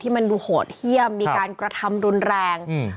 มันดูโหดเยี่ยมมีการกระทำรุนแรงอืม